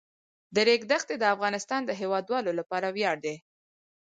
د ریګ دښتې د افغانستان د هیوادوالو لپاره ویاړ دی.